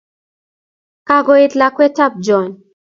Kakoet lakwet ab Joan.